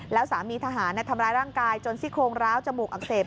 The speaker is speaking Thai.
แล้วสามีทหารทำร้ายร่างกายจนซี่โครงร้าวจมูกอักเสบ